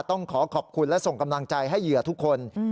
ต้องขอขอบคุณและส่งกำลังใจให้เหยื่อทุกคน